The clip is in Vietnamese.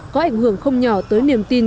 có ảnh hưởng không nhỏ tới niềm tin